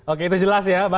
oke itu jelas ya